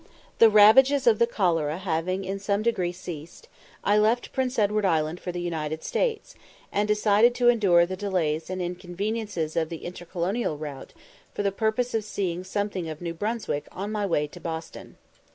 The ravages of the cholera having in some degree ceased, I left Prince Edward Island for the United States, and decided to endure the delays and inconveniences of the intercolonial route for the purpose of seeing something of New Brunswick on my way to Boston.